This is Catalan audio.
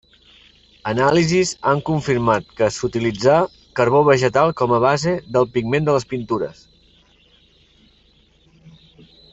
Anàlisis han confirmat que s'utilitzà carbó vegetal com a base del pigment de les pintures.